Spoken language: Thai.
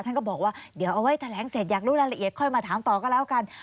ท่านก็บอกว่าเดี๋ยวเอาไว้แถลงเสร็จอยากรู้รายละเอียดค่อยมาถามต่อก็แล้วกัน